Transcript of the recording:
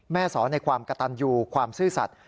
แม่สอนในความกะตันอยู่ความซื่อสัตว์